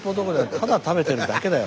ただ食べてるだけだよ。